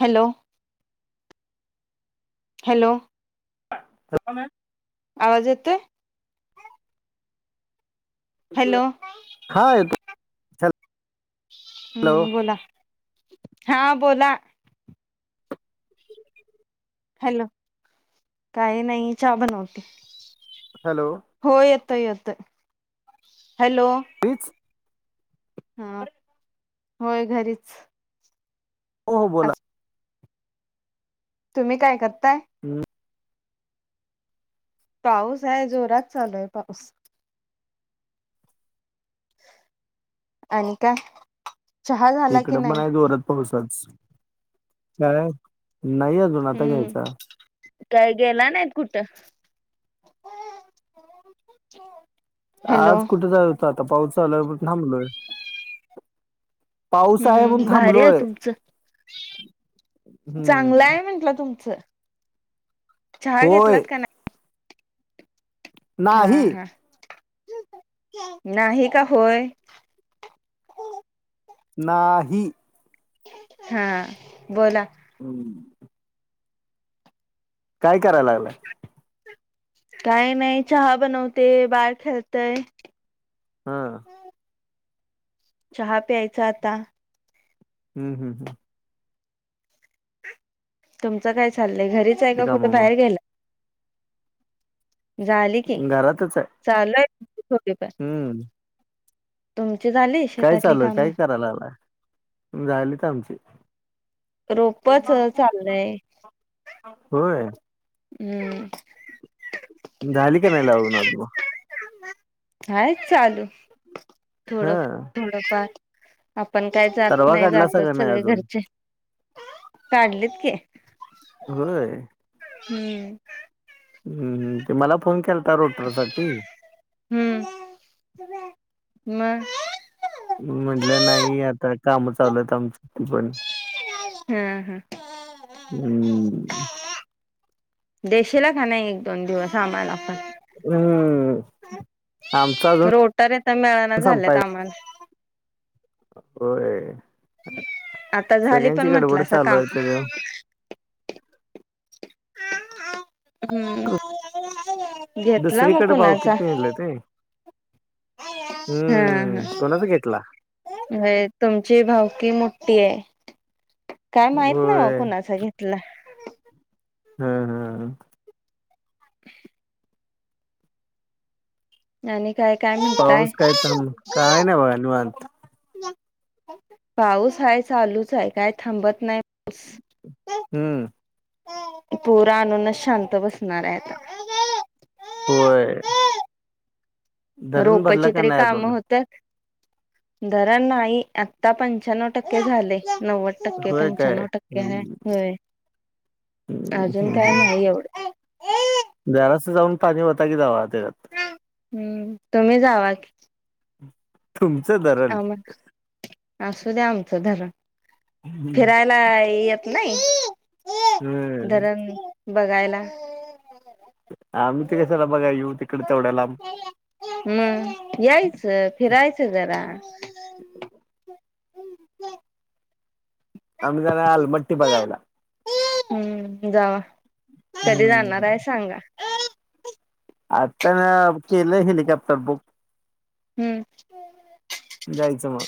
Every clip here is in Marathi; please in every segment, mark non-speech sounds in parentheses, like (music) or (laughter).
हॅलो. हॅलो. बोला मॅम आवाज येतोय. हॅलो. हा येतो. हॅलो हम्म बोला हा बोला. हॅलो काही नाही हा चहा बनवते. हॅलो. हो येतो येतो हॅलो तीच हा होय घरीच हो हो बोला आज तुम्ही काय करताय. हम् पाऊस आहे जोरात चालू आहे पाऊस आणि काय? चहा झाला की तिकडं पण नाही आहे दोरात पावसच काय नाही. ण आता हम्म घ्यायचा. काय फिरायला गेला नाही कुठ? आज कुठे जाय होतं आता पाऊसचालाय पण थांबलोय. पाऊस आहे म्हणून हम्म भारी आहे थांबलोय तुमचं. चांगलं हम्म आहे म्हंटलं तुमच हा घेतलात होय का नाही. हा नाही हा नाही का होय? नाही. हा बोला. हंम काय करायला लागलंय. काय नाही चहा बनवते बाहेर खेळतय. हा चहा प्यायचा आता. हम् हम् हम तुमचं काय चाललंय घरीच आहे हम्म का कुठे मामा बाहेर गेला. झाली की घरातच आहे चालूय तिचे पेपर. हम्म काय चालूय काय कराला आला झालीत आमची रोपच चाललय. होय. हम्म झाली का नाही अजून हय चालू हा थोडं थोडंफार आपण काय जात तरवा नाही काढलासा का जातात नाही सगळे अजून घरचे पाडलीत की? होय. हम्म हम्मम ते मला फोन केलाता रोटर साठी हम्म म म म्हटलं नाही आता कामं चालू आहेत आमचं पण हं हं हम्म देशीला का नाही एक-दोन दिवस आम्हाला पण हम्म आमचा अजून रोटर येता मिळना झाल्यात संपायचा आमाला होय आता झाली पण सगळ्यांची म्हटलं गडबड असं चालू काम आहे त्या हम्म घेतला मग दुसरीकडं भावकीत कुणाचा पेरल्यात होय हा हा हम्म कोणाचं घेतला? होय तुमची भावकी मोठी हाय काय माहित बा? होय कुणाचा घेतला? हं हं आणि काय काय पाऊस म्हणताय? काय काय नाही बघा निवांत. पाऊस हाय चालूच हाय काय थांबत नाही. हम्म पोरं आणूनच शांत बसणार हाय आता होय धरण भरलं रोपचे का तरी नाही काम अजून होत त धरण नाही आता पंच्या्णव टक्के झालय नव्वद टक्के होय काय पंच्याण्व टक्के हाय हम्म होय हम्म अजून हम्म काय हम्म. नाही एवढं. जरासं जाऊन पाणी ओता की जावा त्याच्यात हम्म तुम्ही जावा कि. तुमचं धरण असुदे आमचं धरण हम्म फिराय नाय येत नाही धरण बघायला. आम्ही ते कशाला बघाय येऊ तिकडं तेवढ्या लांब म यायचं फिरायचं जरा आम्ही जाणार आलमट्टी बघायला. हम्म जावा कधी जाणार हाय हम्म सांगा? आता केलं हेलिकॅप्टर बुक हम्म जायचं मग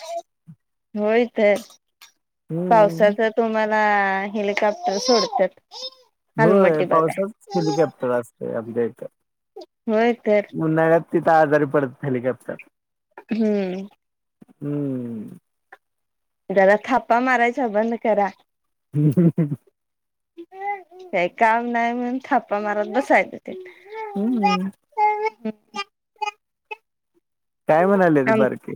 होय तर हम्म पावसाचं तुम्हाला हेलिकॅप्टर सोडत्यात. होय पावसाळ्यातच हेलिकॅप्टर असतय आमच्या इथ होय तर उन्हाळ्यात तिथं आजारी पडत हेलिकॅप्टर हम्म हम्म जरा थापा मारायच बंद करा. हं हं हं काय काम नाही म्हणून थापा मारत बसायचं ते. हम्म. (unintelligible) काय म्हणाल्या ती आम बारकी?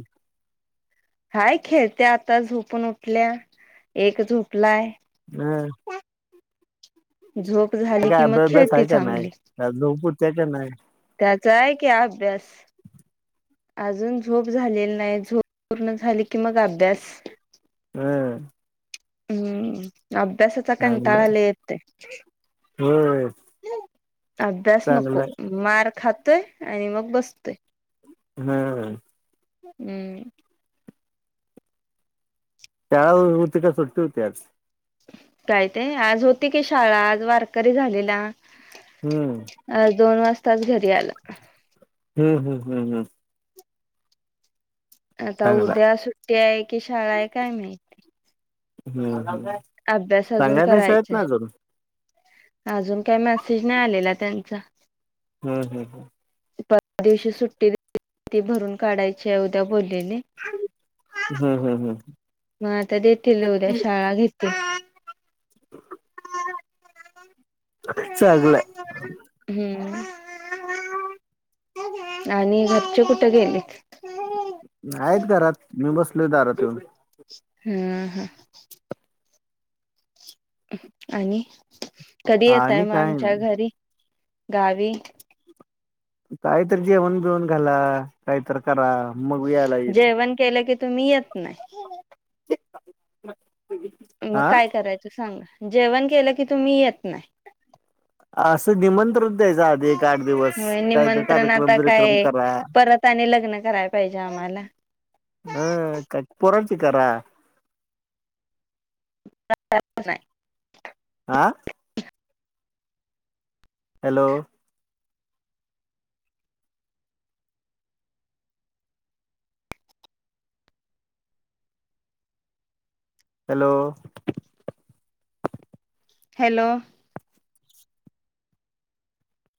हाय खेळत्या आत्ता झोपून उठल्या, एक झोपलाय. हां. झोप झाली की मग अभ्यास बिभ्यास खेळती आहे का नाही चांगली. काय झोप होत्या की नाही? त्याचा आहे की अभ्यास. अजून झोप झालेली नाही, झोप पूर्ण झाली की मग अभ्यास. हम्म. हम्म अभ्यासाचा कंटाळा चांगलंय लई येतोय. होय अभ्यास नको, चांगलंय मार खातोय आणि मग बसतोय. हम्म. हम्म. शाळा होती का सुट्टी होती आज? काय ते आज होती की शाळा आज वारकरी झालेला. हम्म. आज दोन वाजताच घरी आला. हम्म हम हम्म हम्म. आता चांगला आहे. उद्या सुट्टी आहे की शाळा आहे काय माहिती? हम्म हम्म. अभ्यास अजून सांगायला शाळेत करायचा ना आहे, अजून. अजून काही मेसेज नाही आलेला त्यांचा. हम्म हम्म हम्म. परवा दिवशी सुट्टी (unintelligible) ती भरून काढायची आहे उद्या बोललेली. हम्म हम्म हम्म. मग आता देतील उद्या शाळा घेतील. चांगल आहे. हम्म. आणि घरचे कुठे गेलेत? आहेत घरात मी बसलोय दारात येऊन. हम्म हम्म. आणि कधी येताय आणि मग काय आमच्या नाही. घरी गावी? काहीतरी जेवण बिवण घाला काहीतर करा. मग यायला येईल. जेवण केलं की तुम्ही येत नाही. (inaudible) मग काय करायचं सांगा? जेवण केलं की तुम्ही येत नाही. असं निमंत्रण द्यायचं आधी एक. आठ दिवस. होय काहीतरी निमंत्रण कार्यक्रम आता बिर्यक्रम काय करा. परत आणि लग्न करायला पाहिजे आम्हाला. हां पोरांची करा. (unintelligible) आं हॅलो! हॅलो! हॅलो!